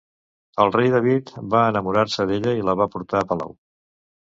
El Rei David va enamorar-se d'ella i la va portar a palau.